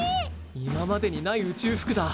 今までにない宇宙服だ。